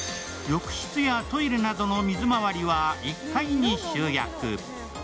浴室やトイレなどの水まわりは１階に集約。